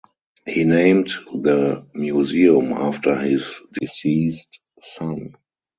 He named the museum after his deceased son.